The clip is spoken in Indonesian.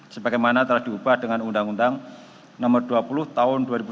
sebagaimana telah diubah dengan undang undang no dua puluh tahun dua ribu satu